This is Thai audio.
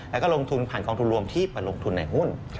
แล้วก็ลงทุนผ่านกองทุนรวมที่มาลงทุนในหุ้น